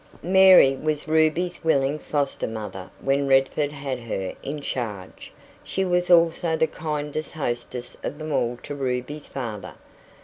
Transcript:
Mary was Ruby's willing foster mother when Redford had her in charge; she was also the kindest hostess of them all to Ruby's father.